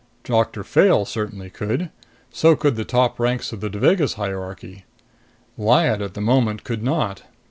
Doctor Fayle certainly could. So could the top ranks of the Devagas hierarchy. Lyad, at the moment, could not.